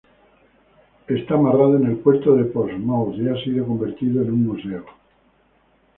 Está amarrado en el puerto de Portsmouth y ha sido convertido en un museo.